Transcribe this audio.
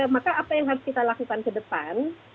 maka apa yang harus kita lakukan ke depan